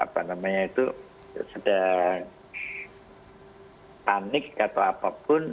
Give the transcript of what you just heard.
jadi dia sedang panik atau apapun